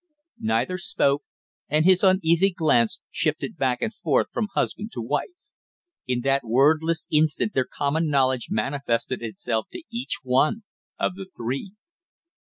Neither spoke, and his uneasy glance shifted back and forth from husband to wife. In that wordless instant their common knowledge manifested itself to each one of the three.